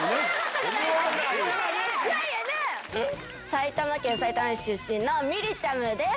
埼玉県さいたま市出身みりちゃむです！